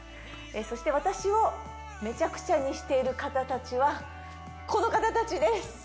そして私をめちゃくちゃにしている方達はこの方達です